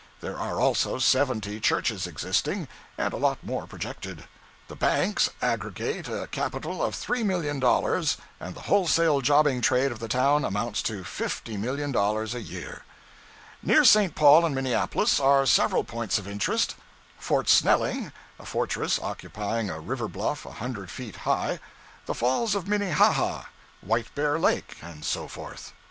There are also seventy churches existing, and a lot more projected. The banks aggregate a capital of $3,000,000, and the wholesale jobbing trade of the town amounts to $50,000,000 a year. Near St. Paul and Minneapolis are several points of interest Fort Snelling, a fortress occupying a river bluff a hundred feet high; the falls of Minnehaha, White bear Lake, and so forth.